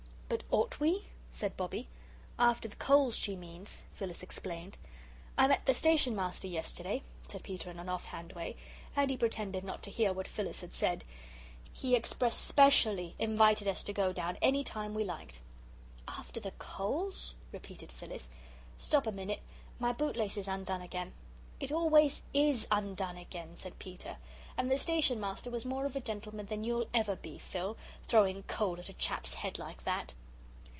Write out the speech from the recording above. "But ought we?" said Bobbie. "After the coals, she means," Phyllis explained. "I met the Station Master yesterday," said Peter, in an offhand way, and he pretended not to hear what Phyllis had said; "he expresspecially invited us to go down any time we liked." "After the coals?" repeated Phyllis. "Stop a minute my bootlace is undone again." "It always IS undone again," said Peter, "and the Station Master was more of a gentleman than you'll ever be, Phil throwing coal at a chap's head like that."